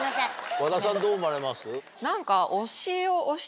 和田さんどう思われます？